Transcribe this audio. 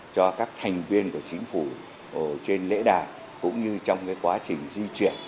cho các thành viên của chính phủ trên lễ đài cũng như trong quá trình di chuyển